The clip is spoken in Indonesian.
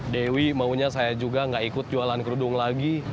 dewi maunya saya juga nggak ikut jualan kerudung lagi